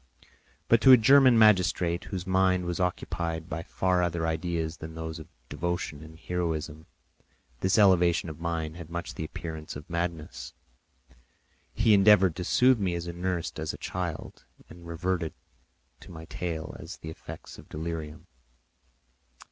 But to a Genevan magistrate, whose mind was occupied by far other ideas than those of devotion and heroism, this elevation of mind had much the appearance of madness. He endeavoured to soothe me as a nurse does a child and reverted to my tale as the effects of delirium.